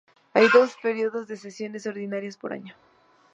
Hay dos periodos de sesiones ordinarias por año.